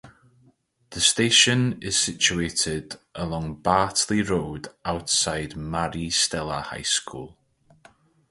The station is situated along Bartley Road outside Maris Stella High School.